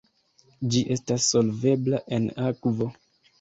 Ĝi estas solvebla en akvo.